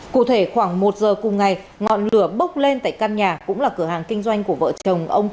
cụ thể khoảng một giờ cùng ngày ngọn lửa bốc lên tại căn nhà cũng là cửa hàng kinh doanh của vợ chồng ông